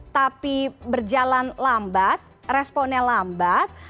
tapi berjalan lambat responnya lambat